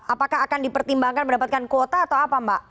apakah akan dipertimbangkan mendapatkan kuota atau apa mbak